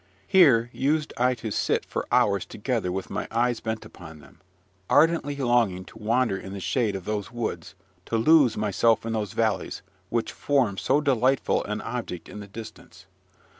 Here used I to sit for hours together with my eyes bent upon them, ardently longing to wander in the shade of those woods, to lose myself in those valleys, which form so delightful an object in the distance.